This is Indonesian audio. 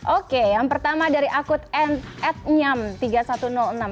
oke yang pertama dari akut and at nyam tiga ribu satu ratus enam